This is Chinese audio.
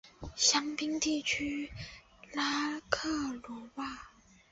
香槟地区拉克鲁瓦。